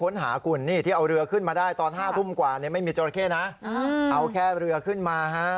อยู่แถวบ้านนี้เป็นอะไร